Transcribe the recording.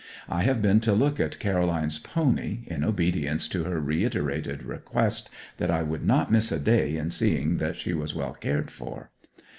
... I have been to look at Caroline's pony, in obedience to her reiterated request that I would not miss a day in seeing that she was well cared for.